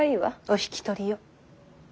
お引き取りを。